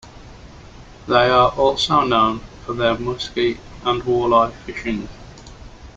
They are also known for their muskie and walleye fishing.